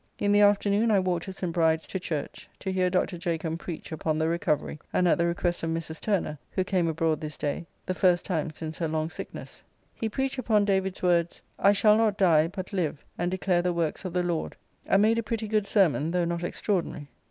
In the afternoon I walked to St. Bride's to church, to hear Dr. Jacomb preach upon the recovery, and at the request of Mrs. Turner, who came abroad this day, the first time since her long sickness. He preached upon David's words, "I shall not die, but live, and declare the works of the Lord," and made a pretty good sermon, though not extraordinary.